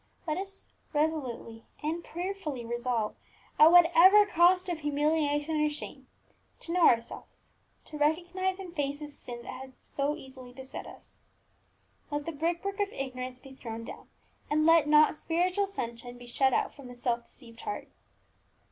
Let us resolutely and prayerfully resolve, at whatever cost of humiliation or shame, to know ourselves, to recognize and face the sin that so easily besets us. Let the brickwork of ignorance be thrown down, and let not spiritual sunshine be shut out from the self deceived heart.